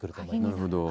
なるほど。